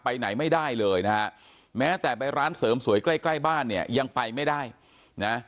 ไปไหนไม่ได้เลยนะฮะแม้แต่ไปร้านเสริมสวยใกล้ใกล้บ้านเนี่ยยังไปไม่ได้นะ